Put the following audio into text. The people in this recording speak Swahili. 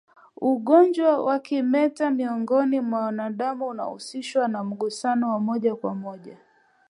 ugonjwa wa kimeta miongoni mwa wanadamu huhusishwa na mgusano wa moja kwa moja